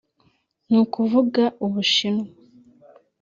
ni ukuvuga u Bushinwa